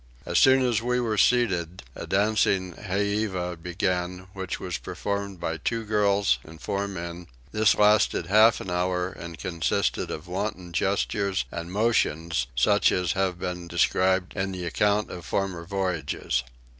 As soon as we were seated a dancing heiva began, which was performed by two girls and four men: this lasted half an hour and consisted of wanton gestures and motions such as have been described in the account of former voyages.